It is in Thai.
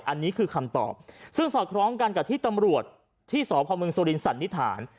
อันนี้คือคำตอบซึ่งสอดคล้องกันกับที่ตำรวจที่สพมสุรินสันนิษฐาน